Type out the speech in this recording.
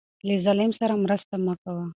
له ظالم سره مرسته مه کوه.